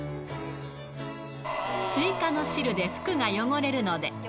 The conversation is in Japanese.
スイカの汁で、服が汚れるので。